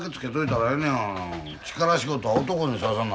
力仕事は男にさせな。